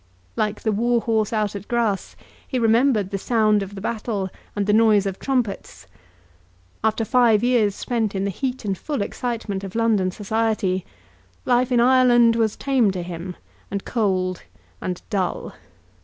Like the warhorse out at grass he remembered the sound of the battle and the noise of trumpets. After five years spent in the heat and full excitement of London society, life in Ireland was tame to him, and cold, and dull.